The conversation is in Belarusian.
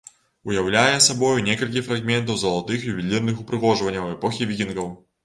Уяўляе сабой некалькі фрагментаў залатых ювелірных упрыгажэнняў эпохі вікінгаў.